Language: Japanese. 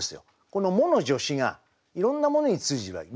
この「も」の助詞がいろんなものに通じるわけ。